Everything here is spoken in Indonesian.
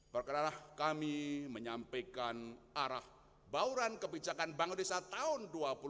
perkara kami menyampaikan arah bauran kebijakan bank desa tahun dua ribu dua puluh